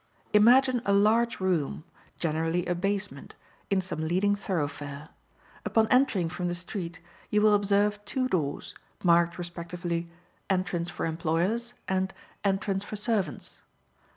Imagine a large room, generally a basement, in some leading thoroughfare. Upon entering from the street you will observe two doors, marked respectively "ENTRANCE FOR EMPLOYERS" and "ENTRANCE FOR SERVANTS."